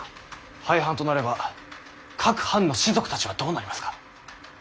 廃藩となれば各藩の士族たちはどうなりますか？